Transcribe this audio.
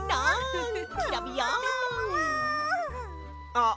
あっ